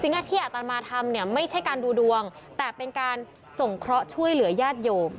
ที่อาตมาทำเนี่ยไม่ใช่การดูดวงแต่เป็นการส่งเคราะห์ช่วยเหลือญาติโยม